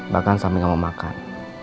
bahkan sampe gak mau makan